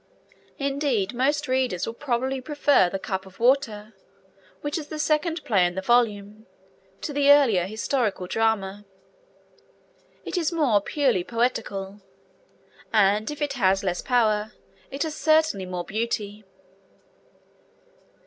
Indeed, most readers will probably prefer The Cup of Water, which is the second play in this volume, to the earlier historical drama. It is more purely poetical; and if it has less power, it has certainly more beauty.